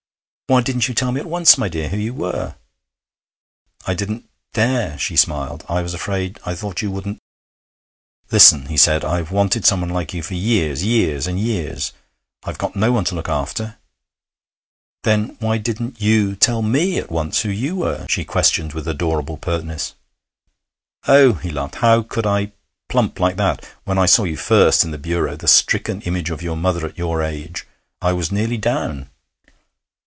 'Why didn't you tell me at once, my dear, who you where?' 'I didn't dare,' she smiled; 'I was afraid. I thought you wouldn't ' 'Listen,' he said; 'I've wanted someone like you for years, years, and years. I've got no one to look after ' 'Then why didn't you tell me at once who you were?' she questioned with adorable pertness. 'Oh!' he laughed; 'how could I plump like that? When I saw you first, in the bureau, the stricken image of your mother at your age, I was nearly down.